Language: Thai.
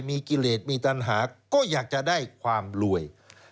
มีกิเลสมีตันหาก็อยากจะได้ความรวย